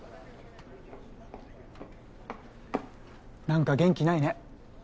なんか元気ないね。